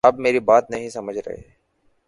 آپ میری بات نہیں سمجھ رہے